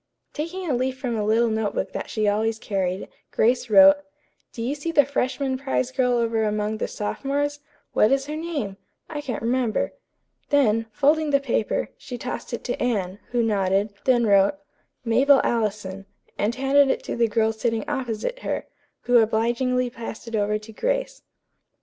Taking a leaf from a little note book that she always carried, Grace wrote: "Do you see the freshman prize girl over among the sophomores? What is her name? I can't remember." Then, folding the paper, she tossed it to Anne, who nodded; then wrote, "Mabel Allison," and handed it to the girl sitting opposite her, who obligingly passed it over to Grace.